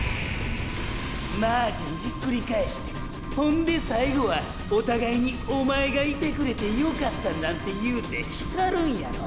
マージンひっくり返してほんで最後はお互いに「お前がいてくれてよかった」なんて言うて浸るんやろ。